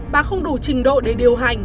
bà không đủ trình độ để điều hành